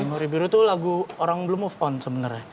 hori biru itu lagu orang belum move on sebenarnya